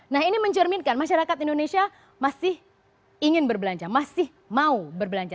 nah ini mencerminkan masyarakat indonesia masih ingin berbelanja masih mau berbelanja